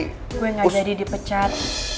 gue gak jadi dipecat